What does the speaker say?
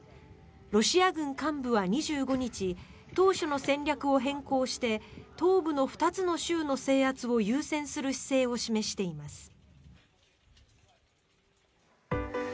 ロシア軍幹部は２５日当初の戦略を変更して東部の２つの州の制圧を優先する姿勢を示しています。